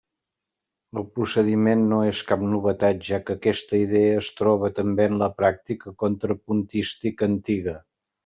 El procediment no és cap novetat, ja que aquesta idea es troba també en la pràctica contrapuntística antiga.